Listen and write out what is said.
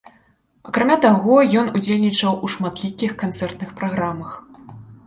Акрамя таго, ён удзельнічаў у шматлікіх канцэртных праграмах.